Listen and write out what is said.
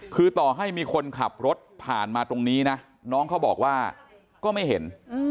คือต่อให้มีคนขับรถผ่านมาตรงนี้นะน้องเขาบอกว่าก็ไม่เห็น